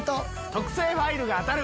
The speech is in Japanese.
特製ファイルが当たる！